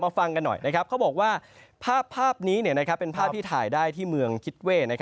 ฟังกันหน่อยเขาบอกว่าภาพนี้เป็นภาพที่ถ่ายได้ที่เมืองคิดเว่